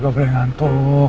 gue beneran ngantuk